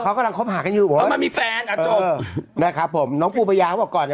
เขากำลังคบหากันอยู่โอ้ย